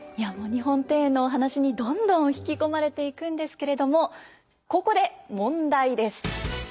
日本庭園のお話にどんどん引き込まれていくんですけれどもここで問題です。